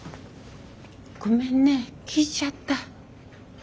ごめんね聞いちゃった。